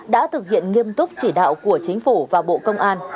đã thực hiện nghiêm túc chỉ đạo của chính phủ và bộ công an